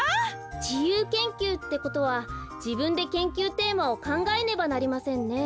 じゆう研究ってことはじぶんで研究テーマをかんがえねばなりませんね。